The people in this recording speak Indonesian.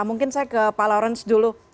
mungkin saya ke pak lawrence dulu